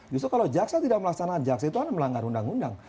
justru kalau jaksa tidak melaksanakan jaksa itu melanggar undang undang